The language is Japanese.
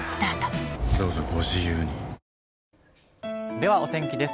ではお天気です。